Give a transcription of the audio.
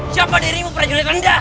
siapa dirimu prajurit anda